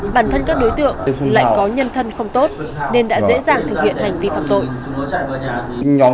bản thân các đối tượng lại có nhân thân không tốt nên đã dễ dàng thực hiện hành vi phạm tội